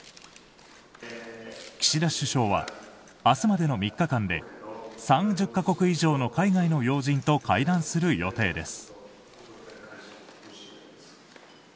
岸田首相は明日までの３日間で３０か国以上の海外の要人と会談する予定です。